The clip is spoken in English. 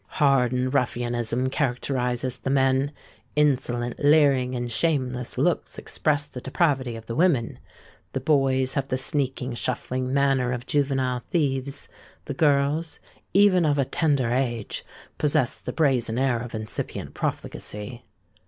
Hardened ruffianism characterises the men;—insolent, leering, and shameless looks express the depravity of the women;—the boys have the sneaking, shuffling manner of juvenile thieves;—the girls, even of a tender age, possess the brazen air of incipient profligacy.